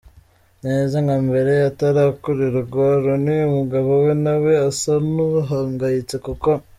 neza nka mbere atarakurirwa, Rooney, umugabo we na we asa nuhangayitse kuko.